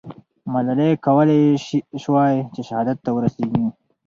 ملالۍ کولای سوای چې شهادت ته ورسېږي.